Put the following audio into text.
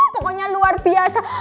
pokoknya luar biasa